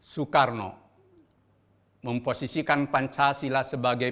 soekarno memposisikan pancasila sebagai